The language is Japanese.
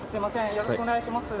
よろしくお願いします。